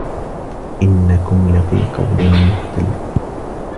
إِنَّكُم لَفي قَولٍ مُختَلِفٍ